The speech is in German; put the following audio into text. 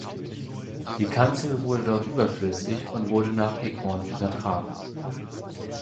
Die Kanzel wurde dort überflüssig und wurde nach Egmond übertragen.